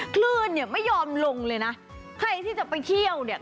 คลื่นเนี่ยไม่ยอมลงเลยนะใครที่จะไปเที่ยวเนี่ย